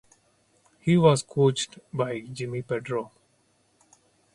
He was coached by Jimmy Pedro.